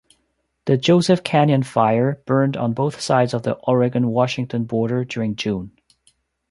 The Joseph Canyon Fire burned on both sides of the Oregon–Washington border during June.